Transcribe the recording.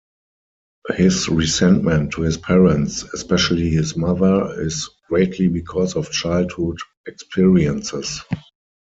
His resentment to his parents, especially his mother, is greatly because of childhood experiences.